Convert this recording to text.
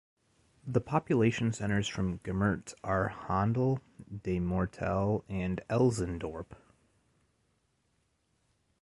The Population centres from Gemert are "Handel", "De Mortel" and "Elsendorp".